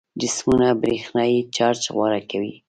جسمونه برېښنايي چارج غوره کوي.